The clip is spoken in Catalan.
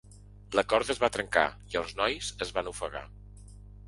La corda es va trencar i els nois es van ofegar.